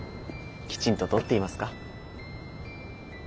きちんととっていますか？